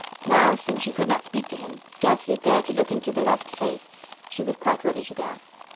Now, since she could not speak to him, scarcely dared to look into the loved face, she was quite ready to go.